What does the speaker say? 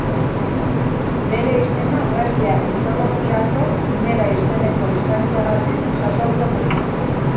Bere izena greziar mitologiako Kimera izeneko izakiagatik jasotzen du.